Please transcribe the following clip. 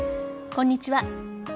こんにちは。